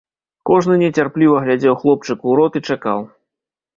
Кожны нецярпліва глядзеў хлопчыку ў рот і чакаў.